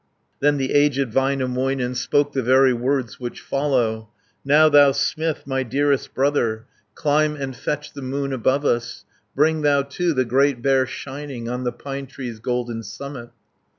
Then the aged Väinämöinen, Spoke the very words which follow: 140 "Now thou smith, my dearest brother, Climb and fetch the moon above us, Bring thou, too, the Great Bear shining On the pine tree's golden summit."